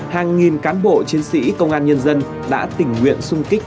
hàng nghìn cán bộ chiến sĩ công an nhân dân đã tình nguyện sung kích